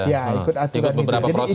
iya ikut beberapa proses dulu